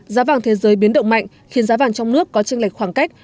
giá vàng thế giới biến động mạnh khiến giá vàng trong nước có tranh lệch khoảng cách